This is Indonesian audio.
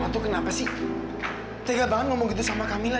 kamu itu kenapa sih tega banget ngomong gitu sama kamila